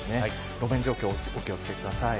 路面状況、お気を付けください。